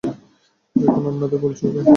দেখুন, আপনাদের বলেছি, ওকে!